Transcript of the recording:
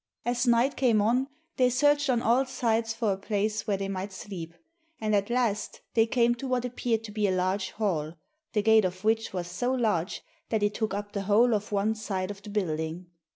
As night came on they searched on all sides for a place where they might sleep, and at last they came to what appeared to be a large hall, the gate of which was so large that it took up the whole of one side of the building.